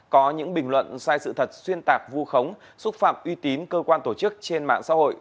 có những bình luận sai sự thật xuyên tạc vu khống xúc phạm uy tín cơ quan tổ chức trên mạng xã hội